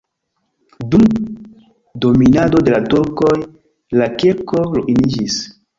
Dum dominado de la turkoj la kirko ruiniĝis.